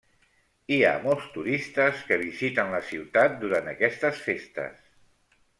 Hi ha molts turistes que visiten la ciutat durant aquestes festes.